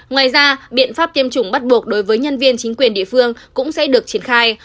ngoài ra biện pháp tiêm chủng bắt buộc đối với nhân viên chính quyền địa phương cũng sẽ được triển khai